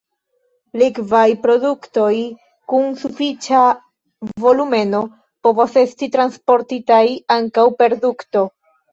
Likvaj produktoj kun sufiĉa volumeno povas esti transportitaj ankaŭ per dukto.